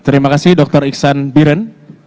terima kasih dr iksan biren